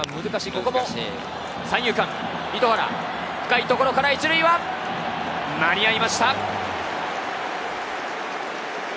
ここも三遊間、糸原、深いところから１塁は間に合い